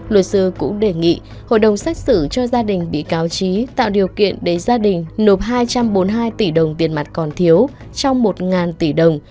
luật sư cũng đề nghị hội đồng xét xử cho gia đình bị cáo trí tạo điều kiện để gia đình nộp hai trăm bốn mươi hai tỷ đồng tiền mặt còn thiếu trong một tỷ đồng